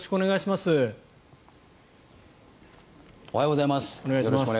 おはようございます。